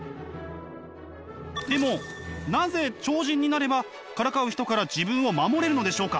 でもなぜ超人になればからかう人から自分を守れるのでしょうか？